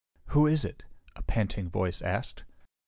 "Who is it?" a panting voice asked.